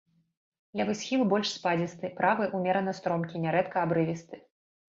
Левы схіл больш спадзісты, правы ўмерана стромкі, нярэдка абрывісты.